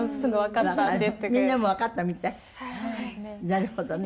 なるほどね。